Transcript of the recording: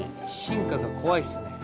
進化が怖いっすね。